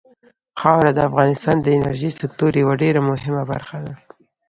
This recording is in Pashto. خاوره د افغانستان د انرژۍ سکتور یوه ډېره مهمه برخه ده.